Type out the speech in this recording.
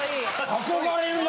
憧れるな。